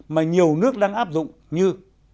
mà nhiều nước đang áp dụng như